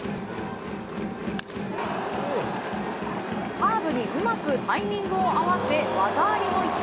カーブにうまくタイミングを合わせ技ありの一発。